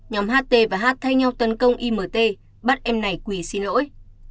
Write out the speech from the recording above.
nhóm ht và hat thay nhau tấn công imt bắt em này quỷ xin lỗi